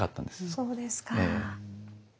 そうですか。